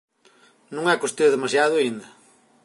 Non é que o estea demasiado aínda.